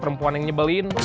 perempuan yang nyebelin